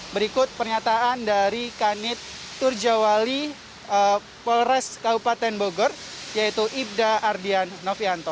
berikut pernyataan dari kanit turjawali polres kabupaten bogor yaitu ibda ardian novianto